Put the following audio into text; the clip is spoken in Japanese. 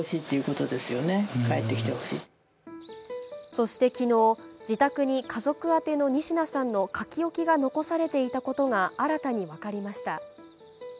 そして昨日、自宅に家族宛ての仁科さんの書き置きが残されていたことが新たに分かりました。